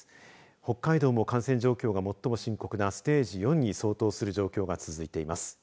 北海道も感染状況が最も深刻なステージ４に相当する状況が続いています。